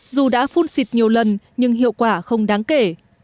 dù đã phun xịt nhiều lần nhưng hiệu quả không đáng kể